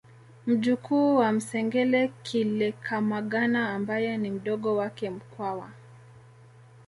Mjukuu wa Msengele Kilekamagana ambaye ni mdogo wake Mkwawa